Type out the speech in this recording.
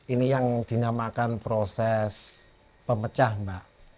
ini yang dinamakan proses pemecah mbak